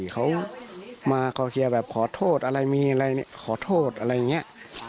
เขามาขอเคลียร์แบบขอโทษอะไรมีอะไรขอโทษอะไรอย่างนี้